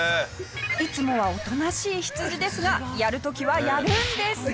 いつもはおとなしいヒツジですがやる時はやるんです。